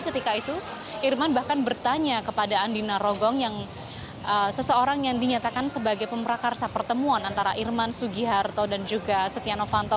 ketika itu irman bahkan bertanya kepada andi narogong yang seseorang yang dinyatakan sebagai pemrakarsa pertemuan antara irman sugiharto dan juga setia novanto